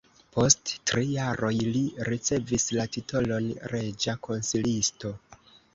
Post tri jaroj li ricevis la titolon reĝa konsilisto.